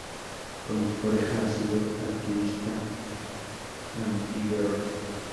Como su pareja, ha sido activista antiguerra.